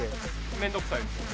面倒くさいですね。